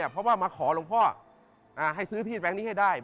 เพราะว่ามาขอหลวงพ่อให้ซื้อที่แบงค์นี้ให้ได้